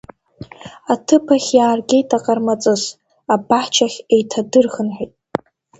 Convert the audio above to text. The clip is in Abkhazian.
Аҭыԥахь иааргеит аҟармаҵыс, абаҳчахь еиҭадырхынҳәит.